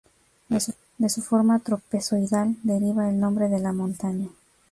De su forma trapezoidal deriva el nombre de la montaña.